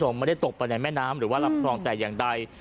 ไม่ได้ตกไปในแม่น้ำหรือว่าลำคลองแต่อย่างใด